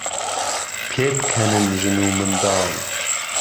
پێبکهنن ژن و منداڵ